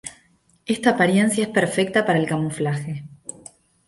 Esta apariencia es perfecta para el camuflaje.